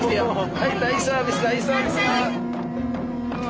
はい大サービス大サービスよ！